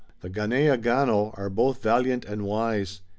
The Ganeagaono are both valiant and wise.